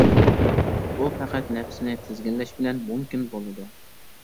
بۇ پەقەت نەپسىنى تىزگىنلەش بىلەن مۇمكىن بولىدۇ.